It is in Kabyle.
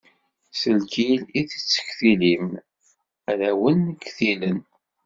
S lkil i tettektilim, ara wen-ktilen.